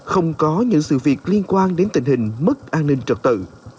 không có những sự việc liên quan đến tình hình mất an ninh trật tự